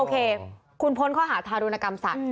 โอเคคุณโพสเขาหาทารุนกรรมสัตว์